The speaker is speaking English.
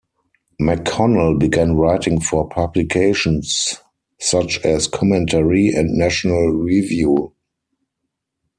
McConnell began writing for publications such as "Commentary" and "National Review".